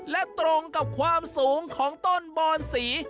และตรงกับความสูงของต้นบอนสี